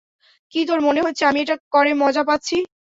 কী, তোর মনে হচ্ছে আমি এটা করে মজা পাচ্ছি?